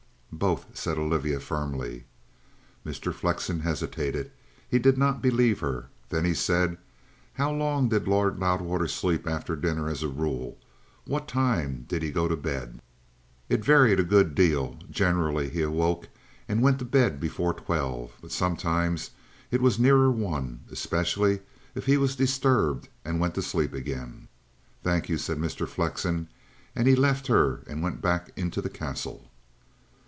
"Both," said Olivia firmly. Mr. Flexen hesitated. He did not believe her. Then he said: "How long did Lord Loudwater sleep after dinner as a rule? What time did he go to bed?" "It varied a good deal. Generally he awoke and went to bed before twelve. But sometimes it was nearer one, especially if he was disturbed and went to sleep again." "Thank you," said Mr. Flexen, and he left her and went back into the Castle.